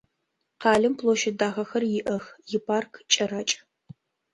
Къалэм площадь дахэхэр иӏэх, ипарк кӏэракӏ.